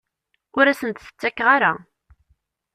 Ur asent-t-ttakkeɣ ara.